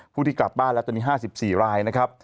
ที่กลับบ้านแล้วตอนนี้๕๔รายนะครับ